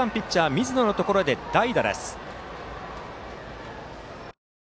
水野のところで代打です。